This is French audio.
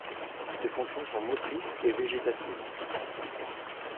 Ses fonctions sont motrice et végétative.